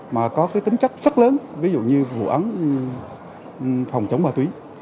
mà có tính chất rất lớn ví dụ như vụ án phòng chống bà túy